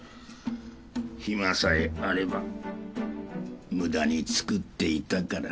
暇さえあれば無駄に作っていたからな。